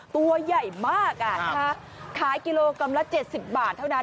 ตัวใหญ่มากขายกิโลกรัมละ๗๐บาทเท่านั้น